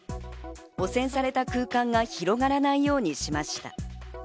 汚染された空間が広がらないようにしました。